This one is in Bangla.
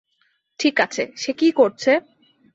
ঠিক আছে - সে কি করছে?